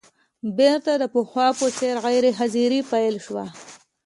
بېرته د پخوا په څېر غیر حاضري پیل شوه.